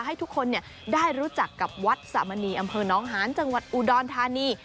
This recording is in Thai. ให้ทุกคนได้รู้จักกับวัดสามณีอำเภอน้องหานจังหวัดอุดรธานี